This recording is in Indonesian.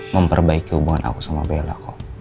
memperbaiki hubungan aku sama bella kok